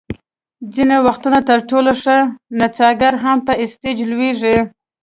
ځینې وختونه تر ټولو ښه نڅاګر هم په سټېج لویږي.